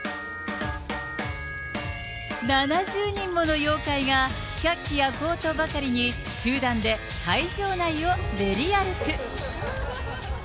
７０人もの妖怪が、百鬼夜行とばかりに、集団で会場内を練り歩く。